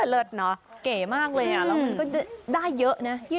เลิศเนาะเก๋มากเลยแล้วมันก็ได้เยอะนะ